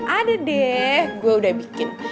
ada deh gue udah bikin